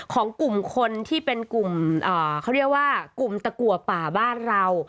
ของกลุ่มคนที่เป็นกลุ่มเขาเรียกว่ากลุ่มตะกัวป่าบ้านเรา